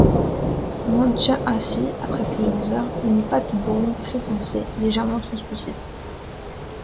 On obtient ainsi, après plusieurs heures, une pâte brune très foncée, légèrement translucide.